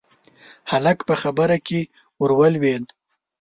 هلک په خبره کې ورولوېد: